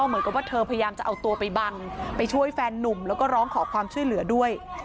พยายามจะเอาตัวไปบันไปช่วยแฟนหนุ่มแล้วก็ร้องขอความช่วยเหลือด้วย